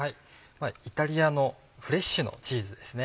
イタリアのフレッシュのチーズですね。